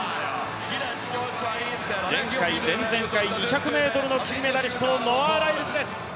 前回、前々回２００ｍの金メダリスト、ノア・ライルズです。